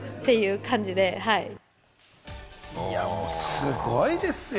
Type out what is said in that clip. すごいですよ。